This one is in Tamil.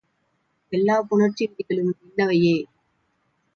எல்லாப் புணர்ச்சி விதிகளும் இன்னவையே.